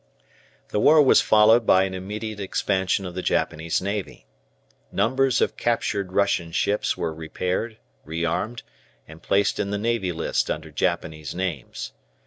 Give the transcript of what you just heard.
The war was followed by an immediate expansion of the Japanese Navy. Numbers of captured Russian ships were repaired, re armed, and placed in the Navy List under Japanese names.